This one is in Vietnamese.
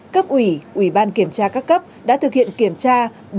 cấp ủy ủy ban kiểm tra các cấp đã thực hiện kiểm tra